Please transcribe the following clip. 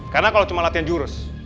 karena kalau cuma latihan jurus